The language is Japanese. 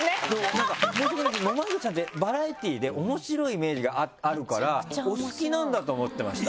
なんか申し訳ないですけど野間口さんってバラエティーで面白いイメージがあるからお好きなんだと思ってました